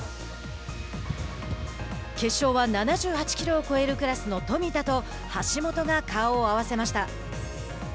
決勝は７８キロを超えるクラスの冨田と橋本が顔を合わせました。